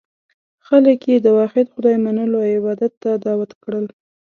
خلک یې د واحد خدای منلو او عبادت ته دعوت کړل.